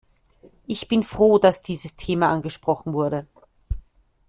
Ich bin froh, dass dieses Thema angesprochen wurde.